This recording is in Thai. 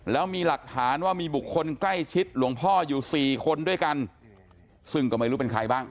แล้วมีหลักฐานว่ามีบุคคลใกล้ชิดหลวงพ่ออยู่สี่คนด้วยกันซึ่งก็ไม่รู้เป็นใครบ้าง